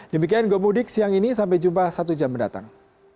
demikian gomudik siang ini sampai jumpa satu jam mendatang